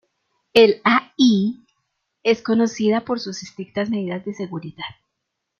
El Al es conocida por sus estrictas medidas de seguridad.